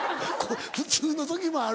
普通の時もある。